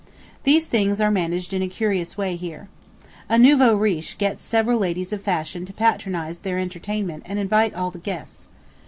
These things are managed in a curious way here. A nouveau riche gets several ladies of fashion to patronize their entertainment and invite all the guests.